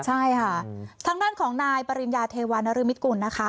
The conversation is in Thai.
ใช่ค่ะทางด้านของนายปริญญาเทวานรมิตกุลนะคะ